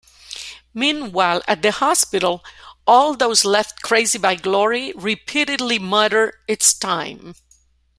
Meanwhile, at the hospital, all those left crazy by Glory repeatedly mutter, It's time.